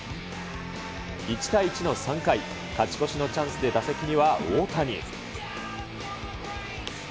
１対１の３回、勝ち越しのチャンスで打席には大谷。